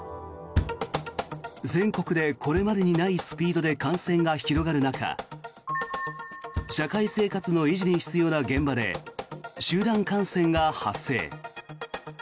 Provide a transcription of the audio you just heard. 全国でこれまでにないスピードで感染が広がる中社会生活の維持に必要な現場で集団感染が発生。